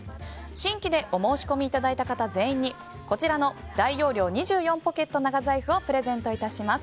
新規でお申し込みいただいた方全員に大容量２４ポケット長財布をプレゼントいたします。